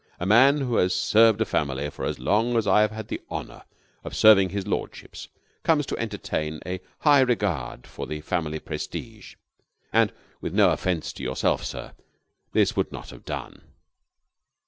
A man who has served a family as long as I have had the honor of serving his lordship's, comes to entertain a high regard for the family prestige. And, with no offense to yourself, sir, this would not have done."